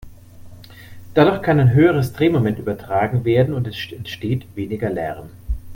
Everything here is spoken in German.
Dadurch kann ein höheres Drehmoment übertragen werden und es entsteht weniger Lärm.